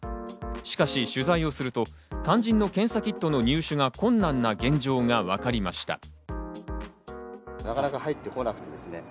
しかし、取材をすると、肝心の検査キットの入手が困難な現状がわかりました。